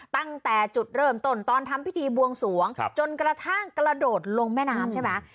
ตั้งแต่จุดเริ่มต้นตอนทำพิธีบวงสวงจนกระทั่งกระโดดลงแม่น้ำใช่ไหม